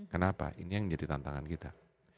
kenapa ini yang menjadi tantangan kita